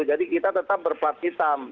jadi kita tetap berplat hitam